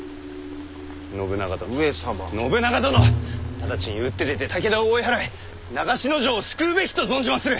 ただちに打って出て武田を追い払い長篠城を救うべきと存じまする！